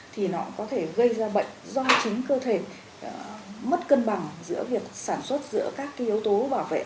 thì nó có thể gây ra bệnh do chính cơ thể mất cân bằng giữa việc sản xuất giữa các yếu tố bảo vệ